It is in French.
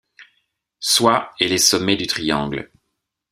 Soient et les sommets du triangle.